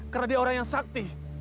karena dia orang yang sakti